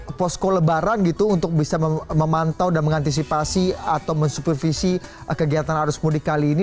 jadi ada peluang sekarang gitu untuk bisa memantau dan mengantisipasi atau mensupervisi kegiatan arus mudik kali ini